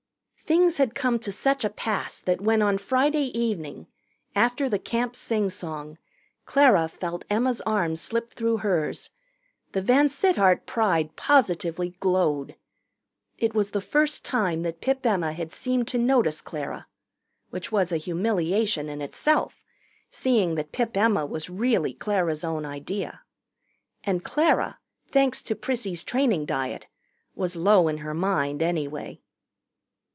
Things had come to such a pass that when on Friday evening, after the Camp singsong, Clara felt Emma's arm slip through hers, the VanSittart pride positively glowed. It was the first time that Pip Emma had seemed to notice Clara which was a humiliation in itself, seeing that Pip Emma was really Clara's own idea. And Clara, thanks to Prissy's training diet, was low in her mind anyway.